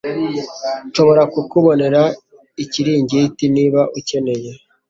Nshobora kukubonera ikiringiti niba ukeneye